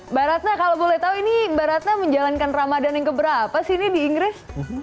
mbak ratna kalau boleh tahu ini mbak ratna menjalankan ramadan yang keberapa sih ini di inggris